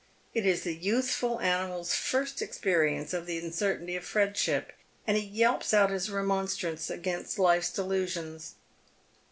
It is the youthful animsl'a fii st experience of the uncertainty of friendship, and he yelpe out his remonstrance against life's delusions.